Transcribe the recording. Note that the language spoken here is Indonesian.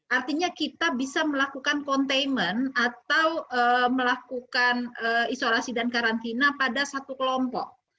artinya kita bisa melakukan containment atau melakukan isolasi dan karantina pada satu kelompok